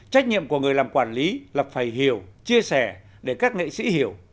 trách nhiệm của người làm quản lý là phải hiểu chia sẻ để các nghệ sĩ hiểu